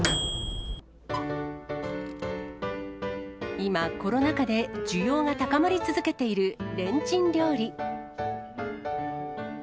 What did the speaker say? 今、コロナ禍で需要が高まり続けているレンチン料理。